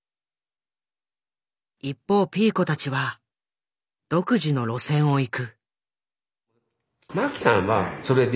一方ピーコたちは独自の路線を行く。